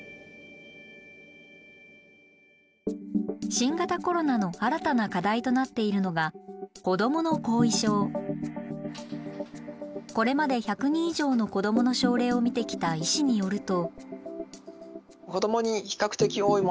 新型コロナの新たな課題となっているのがこれまで１００人以上の子どもの症例を診てきた医師によると。